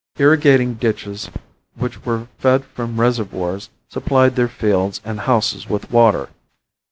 Irrigating ditches which were fed from reservoirs supplied their fields and houses with water.